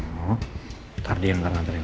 ntar dia yang nantain kamu keluar ya